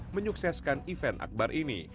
jadi juga di bagian pemasukan event akbar ini